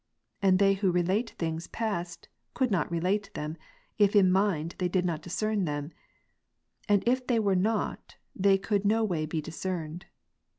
And they who relate things past, could not relate them, if in mind they did not discern them, and if they were not, they could no way be discerned.